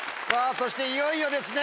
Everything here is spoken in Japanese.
そしていよいよですね！